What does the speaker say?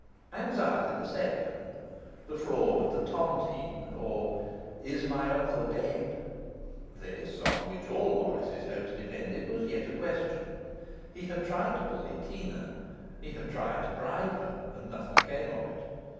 Anxiety the Second: The Fraud of the Tontine; or, Is my Uncle dead? This, on which all Morris's hopes depended, was yet a question. He had tried to bully Teena; he had tried to bribe her; and nothing came of it.